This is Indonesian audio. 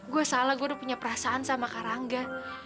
gue salah gue udah punya perasaan sama karangga